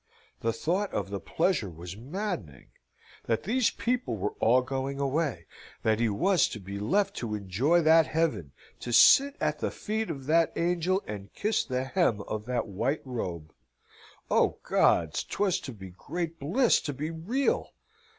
The thought of the pleasure was maddening. That these people were all going away. That he was to be left to enjoy that heaven to sit at the feet of that angel and kiss the hem of that white robe. O Gods! 'twas too great bliss to be real!